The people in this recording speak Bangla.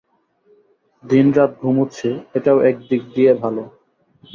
দিন-রাত ঘুমুচ্ছে এটাও এক দিক দিয়ে ভালো।